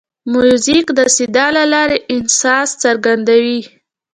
موزیک د صدا له لارې احساس څرګندوي.